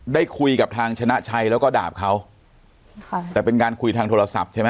ได้คุยกับทางชนะชัยแล้วก็ดาบเขาค่ะแต่เป็นการคุยทางโทรศัพท์ใช่ไหม